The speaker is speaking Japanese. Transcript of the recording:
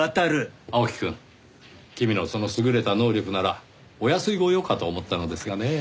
青木くん君のその優れた能力ならお安いご用かと思ったのですがねぇ。